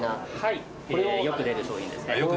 はいよく出る商品ですね。